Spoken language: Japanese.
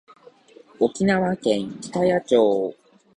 沖縄県北谷町